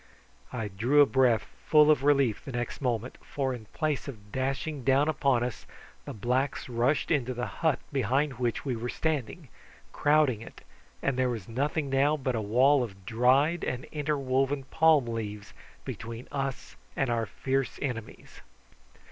I drew a breath full of relief the next moment, for in place of dashing down upon us the blacks rushed into the hut behind which we were standing, crowding it; and there was nothing now but a wall of dried and interwoven palm leaves between us and our fierce enemies.